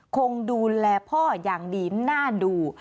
คงดูแลพ่ออย่างดีน่าดู